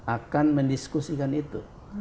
akan mendiskusikan itu